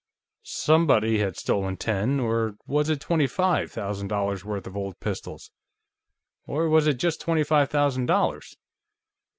Somebody had stolen ten or was it twenty five thousand dollars' worth of old pistols? Or was it just twenty five thousand dollars?